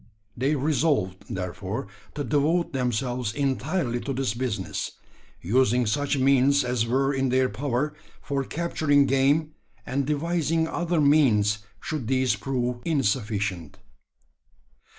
They resolved, therefore, to devote themselves entirely to this business using such means as were in their power for capturing game, and devising other means should these prove insufficient.